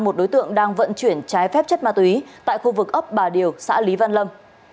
một đối tượng đang vận chuyển trái phép chất ma túy tại khu vực ấp bà điều xã lý văn lâm